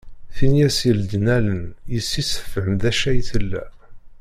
Tin i as-yeldin allen, yis-s tefhem d acu ay tella.